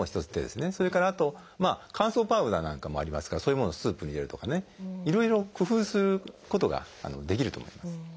それからあと乾燥パウダーなんかもありますからそういうものをスープに入れるとかねいろいろ工夫することができると思います。